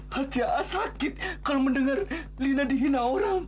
hati a sakit kalau mendengar lina dihina orang